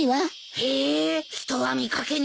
へえ人は見掛けによらないな。